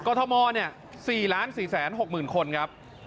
ก่อทมนี่๔๔๖๐๐๐คนครับ